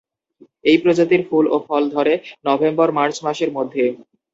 এই প্রজাতির ফুল ও ফল ধরে নভেম্বর-মার্চ মাসের মধ্যে।